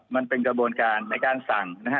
มันเป็นกระบวนการในการสั่งนะฮะ